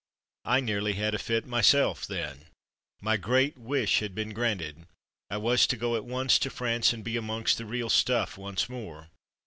I nearly had a fit myself then. My great 84 From Mud to Mufti wish had been granted. I was to go at once to France, and be amongst the real stuff once more.